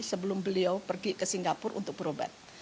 sebelum beliau pergi ke singapura untuk berobat